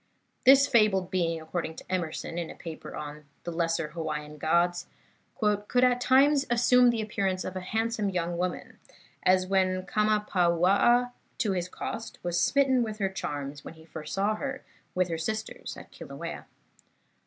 This fabled being, according to Emerson, in a paper on "The Lesser Hawaiian Gods," "could at times assume the appearance of a handsome young woman, as when Kamapauaa, to his cost, was smitten with her charms when first he saw her with her sisters at Kilauea."